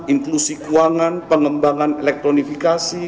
inklusi keuangan pengembangan elektronifikasi